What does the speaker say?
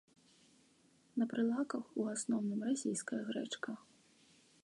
На прылаўках у асноўным расійская грэчка.